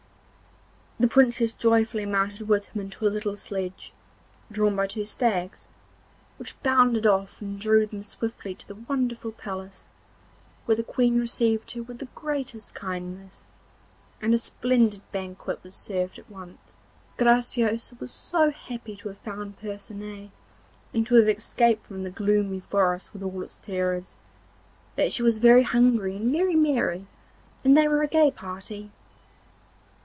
The Princess joyfully mounted with him into a little sledge, drawn by two stags, which bounded off and drew them swiftly to the wonderful palace, where the Queen received her with the greatest kindness, and a splendid banquet was served at once. Graciosa was so happy to have found Percinet, and to have escaped from the gloomy forest and all its terrors, that she was very hungry and very merry, and they were a gay party.